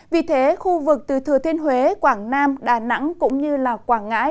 vì thế khu vực từ thừa thiên huế quảng nam đà nẵng cũng như quảng ngãi